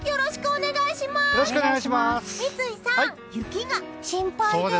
三井さん、雪が心配です。